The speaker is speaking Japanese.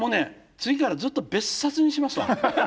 次からずっと「別冊」にしますわ。